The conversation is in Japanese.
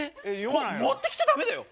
これ持ってきちゃダメだよ？